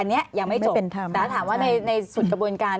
อันนี้ยังไม่จบแต่ถ้าถามว่าในส่วนกระบวนการ